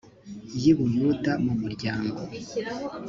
y i buyuda mu muryango